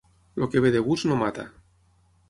El que ve de gust no mata.